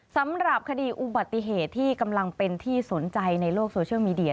สำหรับคดีอุบัติเหตุที่กำลังเป็นที่สนใจในโลกโซเชียลมีเดีย